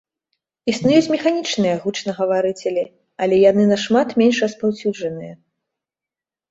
Існуюць механічныя гучнагаварыцелі, але яны нашмат менш распаўсюджаныя.